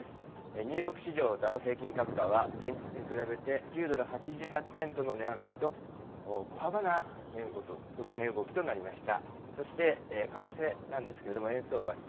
ニューヨーク市場、ダウ平均株価は、前日に比べて９ドル８８セントの値上がりと、小幅な値動きとなりました。